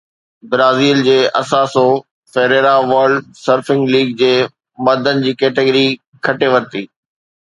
Brazil جي Italo Ferreira world surfing league جي مردن جي ڪيٽيگري کٽي ورتي